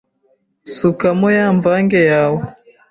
sukamo ya mvange yawe,